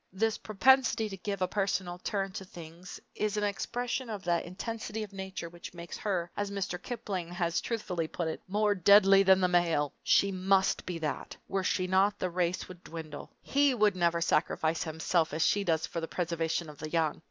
This propensity to give a personal turn to things is an expression of that intensity of nature which makes her, as Mr. Kipling has truthfully put it, "more deadly than the male!" She must be that were she not, the race would dwindle. He would never sacrifice himself as she does for the preservation of the young!